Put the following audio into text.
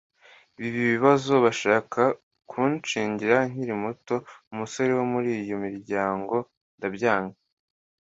biba ibibazo, bashaka kunshyingira nkiri muto umusore wo muri iyo miryango ndabyanga